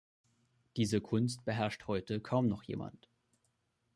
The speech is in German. Diese Kunst beherrscht heute kaum noch jemand.